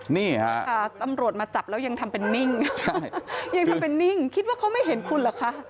นี่ค่ะตำรวจมาจับแล้วยังทำเป็นนิ่งคิดว่าเขาไม่เห็นคุณหรอค่ะ